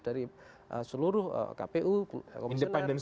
dari seluruh kpu komisioner